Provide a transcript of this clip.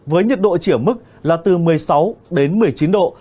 với nhiệt độ chỉ ở mức là từ một mươi sáu đến một mươi chín độ